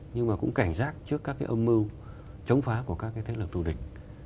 nhưng mà cũng cảnh giác trước các cái âm mưu chống phá của các cái thế lực thù địch